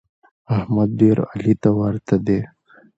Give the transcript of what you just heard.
احمد ډېر علي ته ورته دی.